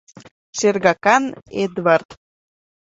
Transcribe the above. “Шергакан Эдвард!